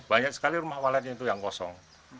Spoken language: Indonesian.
banyak sekali rumah waletnya itu yang kosong